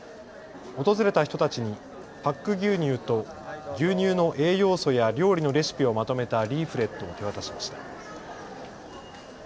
訪れた人たちにパック牛乳と牛乳の栄養素や料理のレシピをまとめたリーフレットを手渡しました。